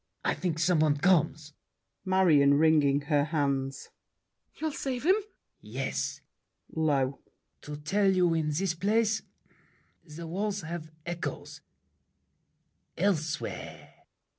I think some one comes! MARION (wringing her hands). You'll save him? LAFFEMAS. Yes. [Low.] To tell you in this place— The walls have echoes—elsewhere.